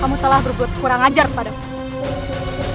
kamu telah berbuat kurang ajar kepadamu